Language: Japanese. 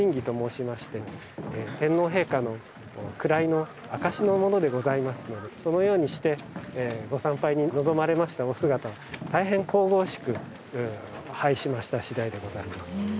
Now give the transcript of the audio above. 天皇陛下の位の証しのものでございますのでそのようにしてご参拝に臨まれましたお姿を大変神々しく拝しましたしだいでございます。